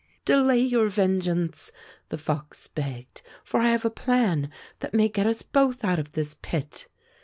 "Delay your vengeance," the fox begged, "for I have a plan that may get us both out of this pit."